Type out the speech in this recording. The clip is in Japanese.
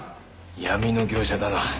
闇の業者だな。